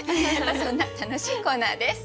そんな楽しいコーナーです。